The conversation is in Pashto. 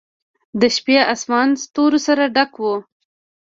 د شپې آسمان ستورو سره ډک و.